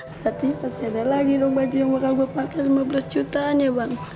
berarti pasti ada lagi dong baju yang bakal gue pakai lima belas jutaan ya bang